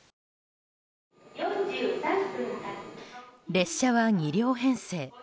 列車は２両編成。